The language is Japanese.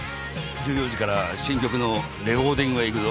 １４時から新曲のレコーディングへ行くぞ。